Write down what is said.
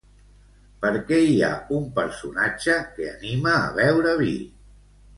Per què hi ha un personatge que anima a beure vi?